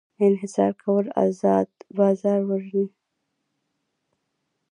انحصار کول ازاد بازار وژني.